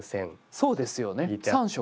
そうですよね３色。